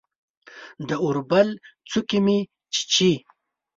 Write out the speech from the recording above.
د اوربل څوکې مې چیچي